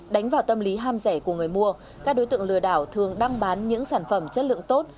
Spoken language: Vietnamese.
đánh vào tâm lý ham rẻ của người mua các đối tượng lừa đảo thường đăng bán những sản phẩm chất lượng tốt